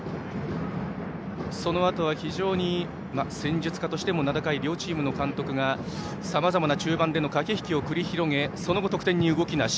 そのあとは非常に戦術家としても名高い両チームの監督がさまざまな中盤での駆け引きを繰り広げその後、得点に動きなし。